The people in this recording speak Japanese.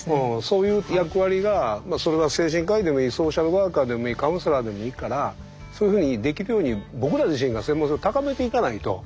そういう役割がそれは精神科医でもいいソーシャルワーカーでもいいカウンセラーでもいいからそういうふうにできるように僕ら自身が専門性を高めていかないと。